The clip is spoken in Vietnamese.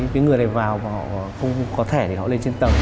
khi mà cái người này vào họ không có thẻ để họ lên trên tầng